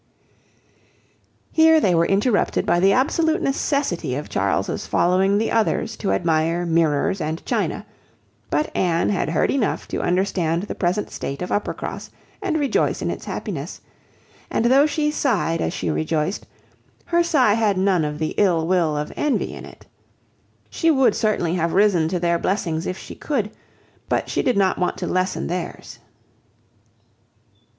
Here they were interrupted by the absolute necessity of Charles's following the others to admire mirrors and china; but Anne had heard enough to understand the present state of Uppercross, and rejoice in its happiness; and though she sighed as she rejoiced, her sigh had none of the ill will of envy in it. She would certainly have risen to their blessings if she could, but she did not want to lessen theirs.